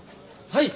はい。